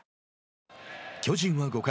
巨人は５回。